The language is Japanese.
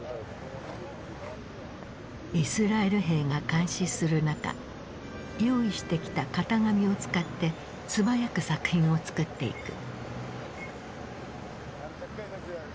イスラエル兵が監視する中用意してきた型紙を使って素早く作品を作っていく。